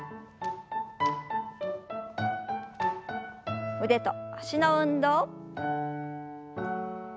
腕と脚の運動。